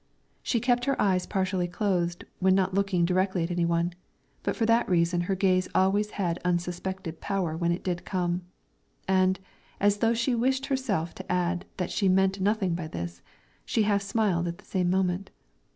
She kept her eyes partially closed when not looking directly at any one, but for that reason her gaze always had unsuspected power when it did come; and, as though she wished herself to add that she meant nothing by this, she half smiled at the same moment.